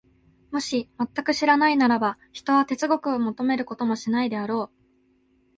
もし全く知らないならば、ひとは哲学を求めることもしないであろう。